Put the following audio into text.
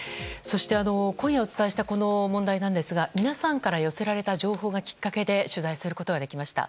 今夜お伝えしたこの問題ですが皆さんから寄せられた情報がきっかけで取材することができました。